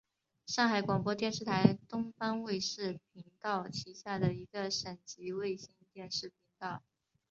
上海广播电视台东方卫视频道旗下的一个省级卫星电视频道。